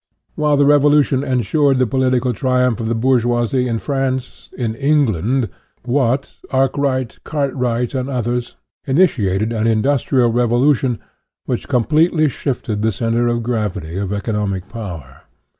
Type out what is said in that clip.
While the Revolution ensured the political tri umph of the bourgeoisie in France, in England Watt, Arkwright, Cartwright, and others, ini tiated an industrial revolution, which completely shifted the center of gravity of economic power.